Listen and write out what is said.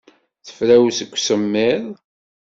Tefrawes seg usemmiḍ.